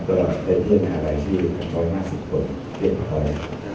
ก็ได้เพียงอาลัยชื่อ๑๕๐คนเรียกค่อย